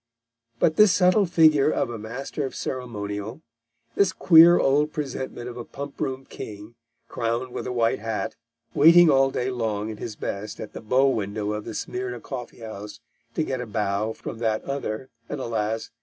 But this subtle figure of a Master of Ceremonial; this queer old presentment of a pump room king, crowned with a white hat, waiting all day long in his best at the bow window of the Smyrna Coffee House to get a bow from that other, and alas!